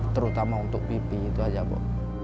terutama untuk pipi itu aja bu